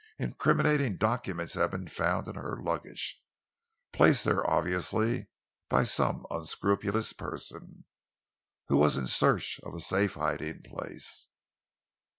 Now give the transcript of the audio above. Incriminating documents have been found in her luggage, placed there obviously by some unscrupulous person, who was in search of a safe hiding place."